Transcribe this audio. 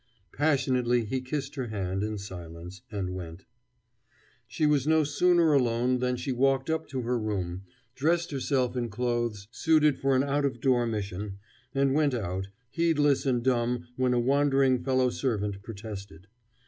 Passionately he kissed her hand in silence, and went. She was no sooner alone than she walked up to her room, dressed herself in clothes suited for an out of door mission, and went out, heedless and dumb when a wondering fellow servant protested.